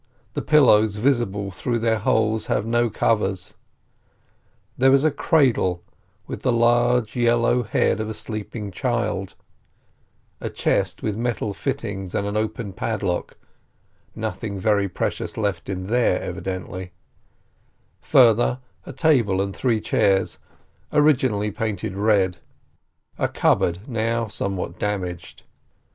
The pillows visible through their holes have no covers. There is a cradle, with the large, yellow head of a sleeping child; a chest with metal fittings and an open padlock — nothing very precious left in there, evidently; further, a table and three chairs (originally painted red), a cupboard, now somewhat damaged.